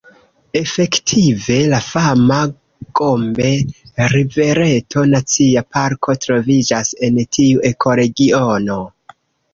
Efektive, la fama Gombe-rivereto Nacia Parko troviĝas en tiu ekoregiono.